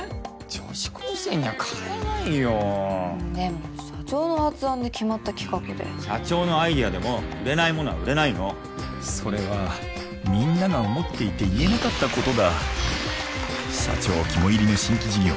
女子高生には買えないよでも社長の発案で決まった企画で社長のアイデアでも売れないものは売れないのそれはみんなが思っていて言えなかったことだ社長肝いりの新規事業